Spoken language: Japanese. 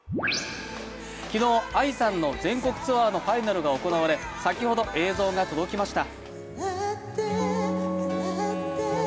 昨日、ＡＩさんの全国ツアーのファイナルが行われ先ほど映像が届きました。